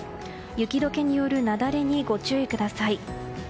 雪解けによる雪崩にご注意ください。